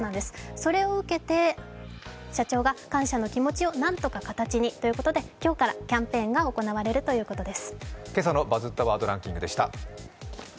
それを受けて社長が感謝の気持ちをなんとか形にということで今日からキャンペーンが行われるということです。